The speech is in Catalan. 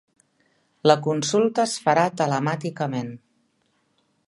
La consulta es farà telemàticament